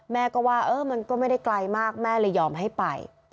แม่ก็ว่าเออมันก็ไม่ได้ไกลมากแม่เลยยอมให้ไป